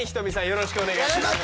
よろしくお願いします。